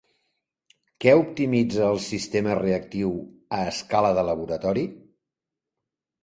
Què optimitza el sistema reactiu a escala de laboratori?